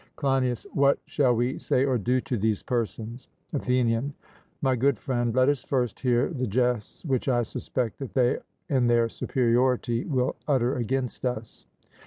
CLEINIAS: What shall we say or do to these persons? ATHENIAN: My good friend, let us first hear the jests which I suspect that they in their superiority will utter against us.